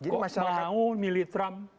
kok mau milih trump